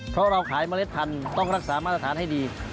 เพราะเราขายเมล็ดพันธุ์ต้องรักษามาตรฐานให้ดี